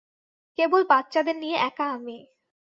কেবল বাচ্চাদের নিয়ে একা আমি।